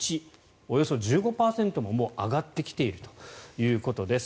およそ１５％ももう上がってきているということです。